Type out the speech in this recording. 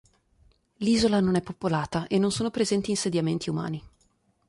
L'isola non è popolata e non sono presenti insediamenti umani.